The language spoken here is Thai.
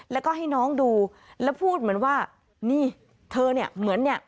แล้วก็ให้น้องดูแล้วพูดเหมือนว่านี่เธอเนี่ยเหมือนเนี่ย